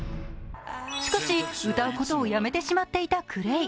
しかし歌うことをやめてしまっていたクレイ。